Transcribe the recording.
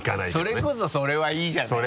それこそそれはいいじゃないね。